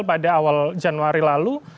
pada awal januari lalu